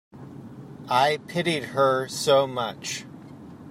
I pitied her so much.